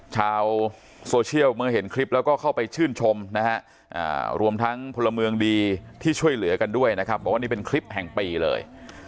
ชาวโซเชียลเมื่อเห็นคลิปแล้วก็เข้าไปชื่นชมนะฮะรวมทั้งพลเมืองดีที่ช่วยเหลือกันด้วยนะครับบอกว่านี่เป็นคลิปแห่งปีเลย